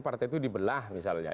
partai itu dibelah misalnya